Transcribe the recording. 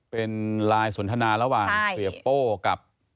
เป็นไลน์สนทนาระหว่างเสียโป้กับ